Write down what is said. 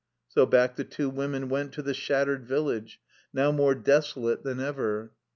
So back the two women went to the shattered village, now more desolate than ever.